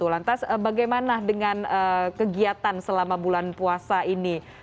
lantas bagaimana dengan kegiatan selama bulan puasa ini